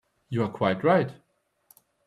You are quite right.